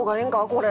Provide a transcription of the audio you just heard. これ。